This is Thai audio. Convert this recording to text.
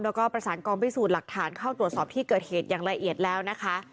แล้วก็ประสานกองพิสูจน์หลักฐานเข้าตรวจสอบที่เกิดเหตุอย่างละเอียดแล้วนะคะ